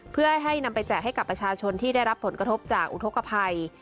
เพื่อให้นำไปแจกให้กับประชาชนที่ได้รับผลกระทบจากอุทธกภัย